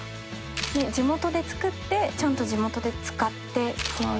地元で作ってちゃんと地元で使って。